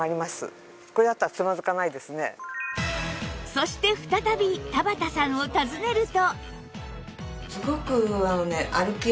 そして再び田畑さんを訪ねると